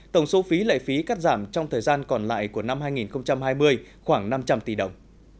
tổng số phí lệ phí cắt giảm trong thời gian còn lại của năm hai nghìn hai mươi khoảng năm trăm linh tỷ đồng